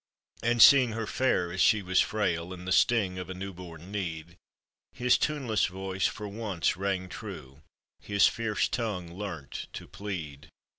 And seeing her fair, as she was frail, In the sting of a new born need, His tuneless voice for once rang true, His fierce tongue learnt to plead.